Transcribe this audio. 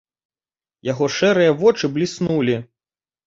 Яго шэрыя вочы бліснулі.